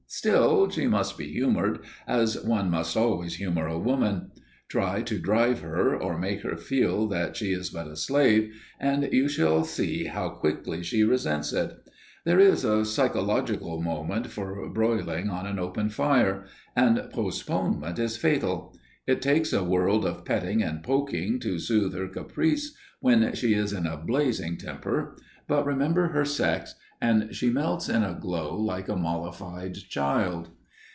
Still, she must be humoured as one must always humour a woman. Try to drive her, or make her feel that she is but a slave, and you shall see how quickly she resents it. There is a psychological moment for broiling on an open fire, and postponement is fatal. It takes a world of petting and poking to sooth her caprice when she is in a blazing temper, but remember her sex, and she melts in a glow like a mollified child.